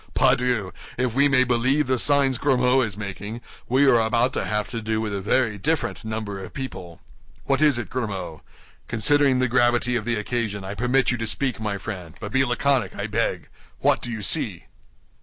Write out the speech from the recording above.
Pardieu! if we may believe the signs Grimaud is making, we are about to have to do with a very different number of people. What is it, Grimaud? Considering the gravity of the occasion, I permit you to speak, my friend; but be laconic, I beg. What do you see?"